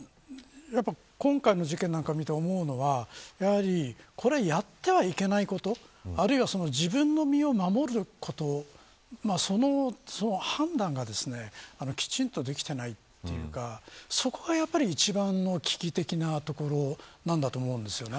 今回の事件を見て思うのはやってはいけないこと、あるいは自分の身を守ることその判断がきちんとできていないというかそこがやっぱり一番の危機的なところなんだと思うんです。